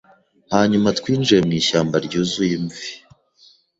Hanyuma twinjiye mwishyamba ryuzuye imvi